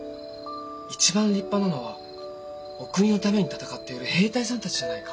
一番立派なのはお国のために戦っている兵隊さんたちじゃないか。